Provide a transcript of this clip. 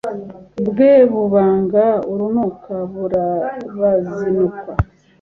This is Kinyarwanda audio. bwe bubanga urunuka burabazinukwa